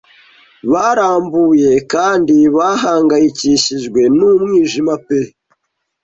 Barambuye kandi bahangayikishijwe n'umwijima pe